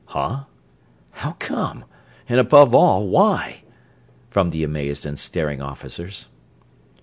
"Huh? How come? And above all, why?" from the amazed and staring officers.